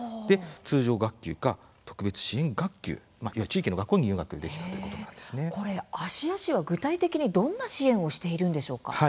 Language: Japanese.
通常学級か特別支援学級地域の学校に入学できた芦屋市は具体的にどんな支援をしているんでしょうか？